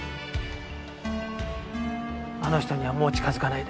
あの人にはもう近づかないで。